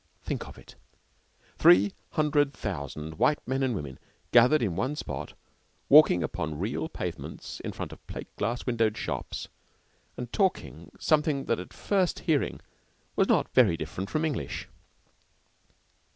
Think of it! Three hundred thousand white men and women gathered in one spot, walking upon real pavements in front of plate glass windowed shops, and talking something that at first hearing was not very different from English.